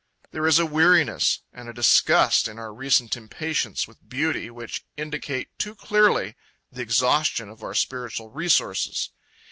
There is a weariness and a disgust in our recent impatience with beauty which indicate too clearly the exhaustion of our spiritual resources.